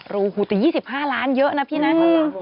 หูแต่๒๕ล้านเยอะนะพี่นัท